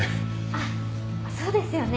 あっそうですよね。